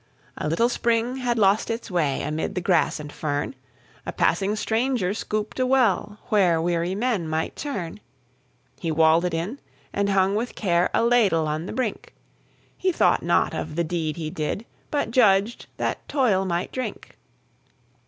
A little spring had lost its way Amid the grass and fern; A passing stranger scooped a well Where weary men might turn. He walled it in, and hung with care A ladle on the brink; He thought not of the deed he did, But judged that Toil might drink.